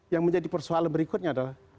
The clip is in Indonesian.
yang menjadi persoalan berikutnya adalah